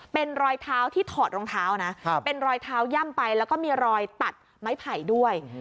เป็นรอยเท้าที่ถอดรองเท้านะเป็นรอยเท้าย่ำไปแล้วก็มีรอยตัดไม้ไผ่ด้วย